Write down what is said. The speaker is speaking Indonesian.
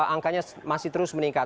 angkanya masih terus meningkat